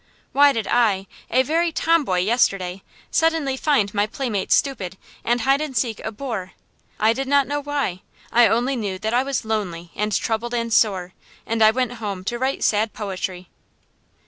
Why did I, a very tomboy yesterday, suddenly find my playmates stupid, and hide and seek a bore? I did not know why. I only knew that I was lonely and troubled and sore; and I went home to write sad poetry.